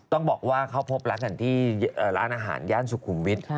ต้องบอกว่าเขาพบรักกันที่ร้านอาหารย่านสุขุมวิทย์